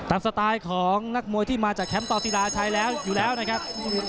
สไตล์ของนักมวยที่มาจากแคมป์ต่อศิราชัยแล้วอยู่แล้วนะครับ